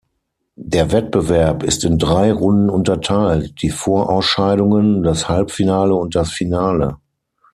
Der Wettbewerb ist in drei Runden unterteilt, die Vorausscheidungen, das Halbfinale und das Finale.